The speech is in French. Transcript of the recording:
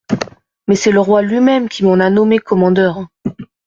Mais c’est le roi lui-même qui m’en a nommé commandeur.